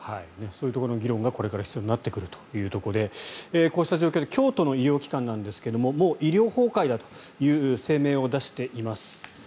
そういうところの議論がこれから必要になってくるということでこうした状況で京都の医療機関なんですがもう医療崩壊だという声明を出しています。